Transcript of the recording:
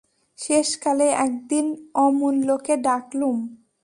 শেষকালে একদিন অমূল্যকে ডাকলুম।